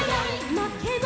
「まけば」